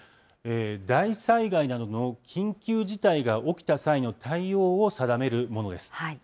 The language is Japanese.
大災害などの緊急事態が起きた際の対応を定めるものです。